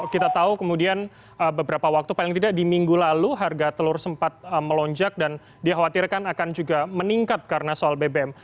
kita tahu kemudian beberapa waktu paling tidak di minggu lalu harga telur sempat melonjak dan dikhawatirkan akan juga meningkat karena soal bbm